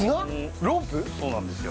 そうなんですよ。